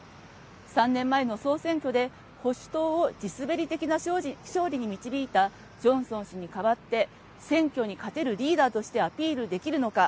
３年前の総選挙で保守党を地滑り的な勝利に導いたジョンソン氏に代わって選挙に勝てるリーダーとしてアピールできるのか。